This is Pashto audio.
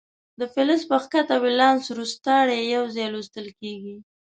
د فلز په ښکته ولانس روستاړي یو ځای لوستل کیږي.